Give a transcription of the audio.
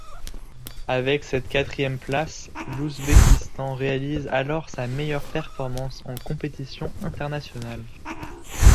Avec cette quatrième place, l'Ouzbékistan réalise alors sa meilleure performance en compétition internationale.